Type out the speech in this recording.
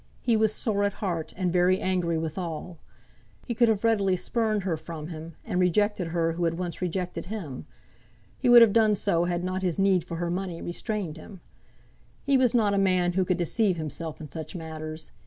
He was sore at heart, and very angry withal. He could have readily spurned her from him, and rejected her who had once rejected him. He would have done so had not his need for her money restrained him. He was not a man who could deceive himself in such matters.